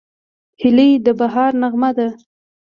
هیلۍ د بهار نغمه ده